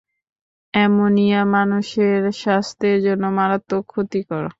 Ammonia মানুষের স্বাস্থ্যের জন্য মারাত্মক ক্ষতিকর।